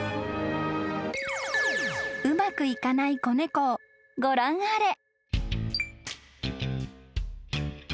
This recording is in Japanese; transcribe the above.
［うまくいかない子猫をご覧あれ］